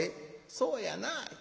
『そうやな』。